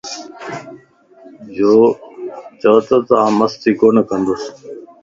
يوچو توآن شرارت / مستي ڪون ڪندوس